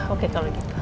oke kalau gitu